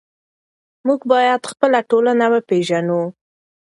موږ باید خپله ټولنه وپېژنو.